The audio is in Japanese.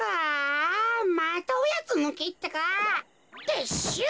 てっしゅう。